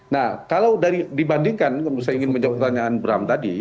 nah kalau dibandingkan saya ingin menjawab pertanyaan bram tadi